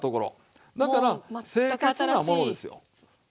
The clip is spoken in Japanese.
だから清潔なものですよ。